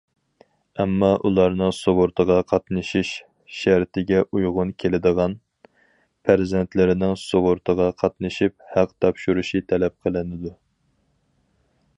ئەمما ئۇلارنىڭ سۇغۇرتىغا قاتنىشىش شەرتىگە ئۇيغۇن كېلىدىغان پەرزەنتلىرىنىڭ سۇغۇرتىغا قاتنىشىپ، ھەق تاپشۇرۇشى تەلەپ قىلىنىدۇ.